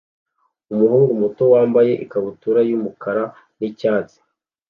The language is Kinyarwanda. Umuhungu muto wambaye ikabutura y'umukara n'icyatsi